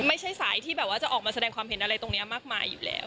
ไม่ใช่สายที่แบบว่าจะออกมาแสดงความเห็นอะไรตรงนี้มากมายอยู่แล้ว